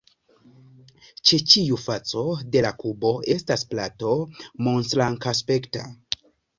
Ĉe ĉiu faco de la kubo estas plato, monŝrankaspekta.